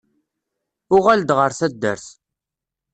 Uɣal-d ɣer taddart.